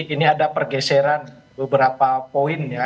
ini ada pergeseran beberapa poin ya